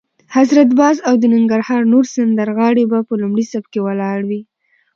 حضرت باز او د ننګرهار نور سندرغاړي به په لومړي صف کې ولاړ وي.